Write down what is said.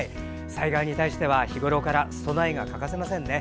災害に対しては、日ごろから備えが欠かせませんね。